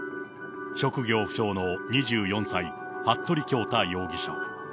職業不詳の２４歳、服部恭太容疑者。